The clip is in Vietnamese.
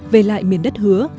về lại miền đất hứa